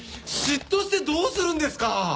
嫉妬してどうするんですか。